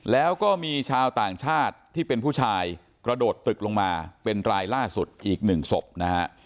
แล้วก็มีชาวต่างชาติที่เป็นผู้ชายกระโดดตึกลงมาเป็นรายล่าสุดอีกหนึ่งศพนะฮะ